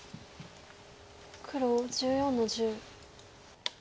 黒１４の十。